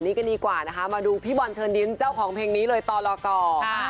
วันนี้ก็ดีกว่านะคะมาดูพี่บอลเชิญดิ้นเจ้าของเพลงนี้เลยตอนรอก่อน